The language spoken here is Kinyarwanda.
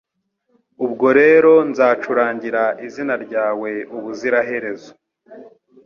Ubwo rero nzacurangira izina ryawe ubuziraherezo